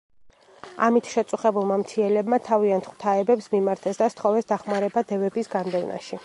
ამით შეწუხებულმა მთიელებმა თავიანთ ღვთაებებს მიმართეს და სთხოვეს დახმარება დევების განდევნაში.